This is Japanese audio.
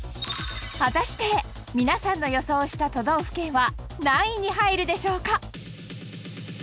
果たして皆さんの予想した都道府県は何位に入るでしょうか？